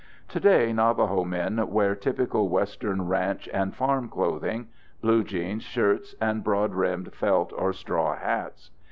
Today Navajo men wear typical western ranch and farm clothing: blue jeans, shirts, and broad brimmed felt or straw hats.